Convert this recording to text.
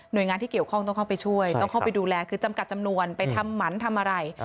โดยงานที่เกี่ยวข้องต้องเข้าไปช่วยต้องเข้าไปดูแลคือจำกัดจำนวนไปทำหมันทำอะไร